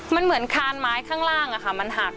มันเหมือนคานไม้ข้างล่างมันหัก